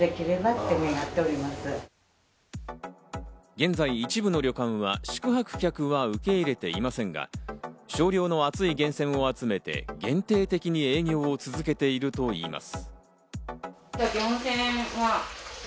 現在、一部の旅館は宿泊客は受け入れていませんが、少量の熱い源泉を集めて、限定的に営業を続けているといいます。